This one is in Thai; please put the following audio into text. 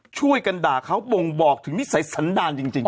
ช่วยกันด่าเขาบ่งบอกถึงนิสัยสันดารจริง